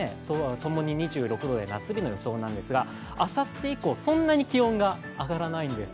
共に２６度の夏日の予想なんですがあさって以降、そんなに気温が上がらないんです。